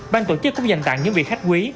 ban tổ chức cũng dành tặng những vị khách quý